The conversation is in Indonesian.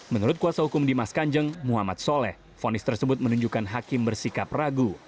menurut kuasa hukum dimas kanjeng muhammad soleh fonis tersebut menunjukkan hakim bersikap ragu